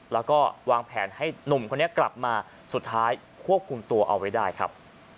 แล้วก็วางแผนให้หนุ่มคนนี้กลับมาสุดท้ายควบคุมตัวเอาไว้ได้ครับ